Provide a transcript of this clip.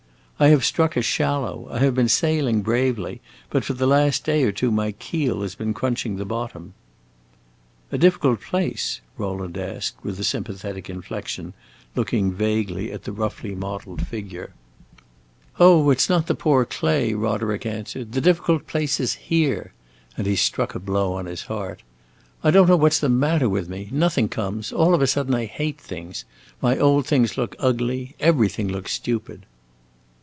"I have struck a shallow! I have been sailing bravely, but for the last day or two my keel has been crunching the bottom." "A difficult place?" Rowland asked, with a sympathetic inflection, looking vaguely at the roughly modeled figure. "Oh, it 's not the poor clay!" Roderick answered. "The difficult place is here!" And he struck a blow on his heart. "I don't know what 's the matter with me. Nothing comes; all of a sudden I hate things. My old things look ugly; everything looks stupid."